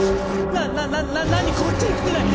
ななななにこっちに来てない？